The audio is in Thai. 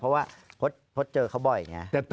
เพราะว่าพจน์เจอเขาบ่อยอย่างนี้